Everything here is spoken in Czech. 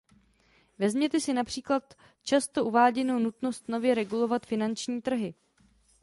Vezměte si například často uváděnou nutnost nově regulovat finanční trhy.